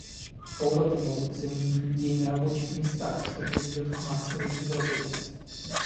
Роботы могут заменить людей на рабочих местах, что приведет к массовой безработице.